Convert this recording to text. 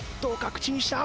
口にした。